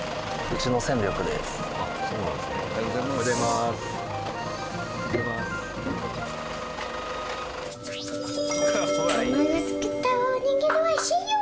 ママが作ったおにぎり美味しいよ！